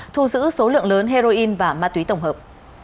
thu giữ số lượng lớn heroin và ma túy tổng hợp